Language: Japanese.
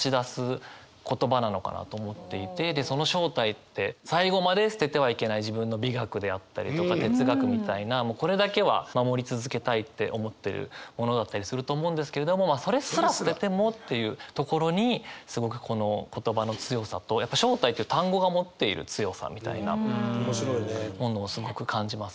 でその正体って最後まで捨ててはいけない自分の美学であったりとか哲学みたいなもうこれだけは守り続けたいって思ってるものだったりすると思うんですけれどもそれすら捨ててもっていうところにすごくこの言葉の強さとやっぱ「正体」って単語が持っている強さみたいなものをすごく感じますね。